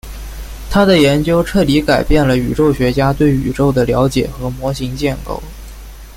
她的研究彻底改变了宇宙学家对宇宙的了解和模型建构。